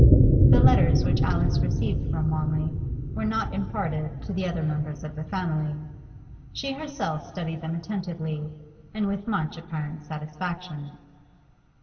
The letters which Alice received from Wanley were not imparted to the other members of the family; she herself studied them attentively, and with much apparent satisfaction.